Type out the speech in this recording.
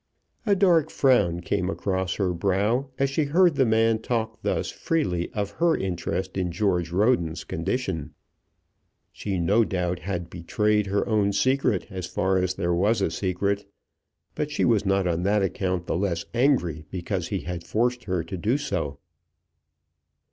A dark frown came across her brow as she heard the man talk thus freely of her interest in George Roden's condition. She no doubt had betrayed her own secret as far as there was a secret; but she was not on that account the less angry because he had forced her to do so.